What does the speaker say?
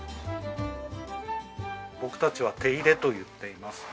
僕たちは「手入れ」と言っていますね。